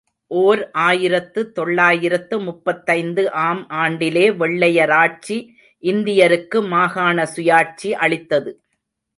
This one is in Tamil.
ஓர் ஆயிரத்து தொள்ளாயிரத்து முப்பத்தைந்து ஆம் ஆண்டிலே வெள்ளையராட்சி இந்தியருக்கு மாகாண சுயாட்சி அளித்தது.